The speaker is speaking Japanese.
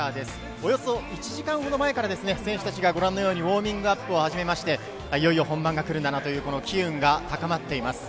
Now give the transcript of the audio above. およそ１時間ほど前からですね、選手たちがご覧のようにウォーミングアップを始めまして、いよいよ本番がくるんだなというこの機運が高まっています。